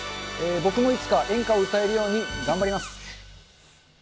僕もいつか演歌を歌えるように頑張ります。